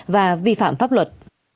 và vi phạm pháp luật